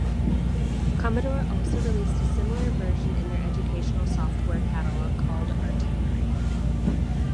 Commodore also released a similar version in their educational software catalog called "Artillery".